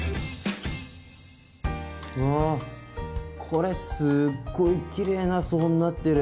うわこれすっごいきれいな層になってる。